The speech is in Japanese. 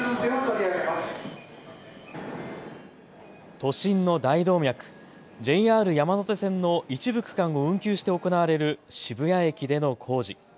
都心の大動脈、ＪＲ山手線の一部区間を運休して行われる渋谷駅での工事。